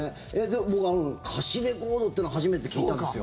僕、貸しレコードというのは初めて聞いたんですよ。